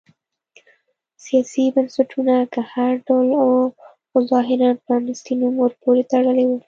سیاسي بنسټونه که هر ډول و خو ظاهراً پرانیستی نوم ورپورې تړلی و.